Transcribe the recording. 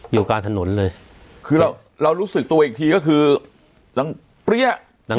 อยู่กลางถนนเลย